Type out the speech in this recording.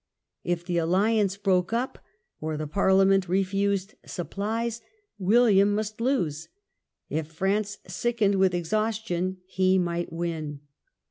If the alliance broke up, or the Parliament refused supplies, William must lose; if France sickened with exhaustion he might win.